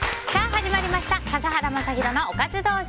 始まりました笠原将弘のおかず道場。